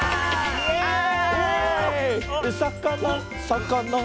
イエーイ！